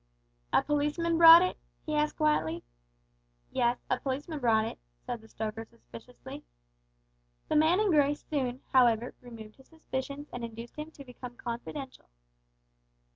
"A policeman brought it?" he asked quietly. "Yes, a policeman brought it," said the stoker suspiciously. The man in grey soon, however, removed his suspicions and induced him to become confidential.